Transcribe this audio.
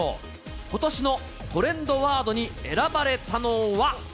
ことしのトレンドワードに選ばれたのは？